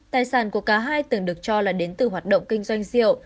tài sản của cả hai từng được cho là đến từ hoạt động kinh doanh rượu